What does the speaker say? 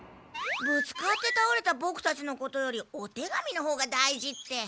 ぶつかってたおれたボクたちのことよりお手紙のほうが大事って。